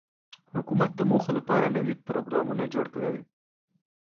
حکومت د موخو له پاره نوي پروګرامونه جوړ کړل.